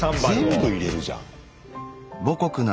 全部入れるじゃん。